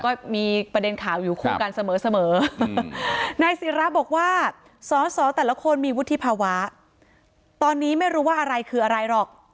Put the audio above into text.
ก็มีประเด็นข่าวอยู่คู่กันเสมอเสมอนายศิราบอกว่าสอสอแต่ละคนมีวุฒิภาวะตอนนี้ไม่รู้ว่าอะไรคืออะไรหรอก